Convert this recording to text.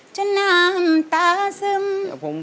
น้ำตาซึม